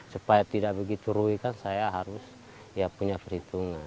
supaya tidak begitu rugi kan saya harus ya punya perhitungan